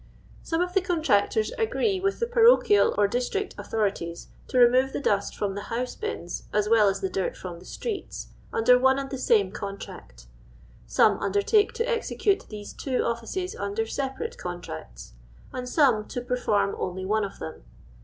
Some of the contractors agree with the parochial 210 LONDON LABOUR AND THE LONDON POOR. or district authorities to remove the dust from the house bins as well as the dirt from the streets under one and the same contract; some undertake to execute these two offices under separate con tracts ; and some to perform only one of them.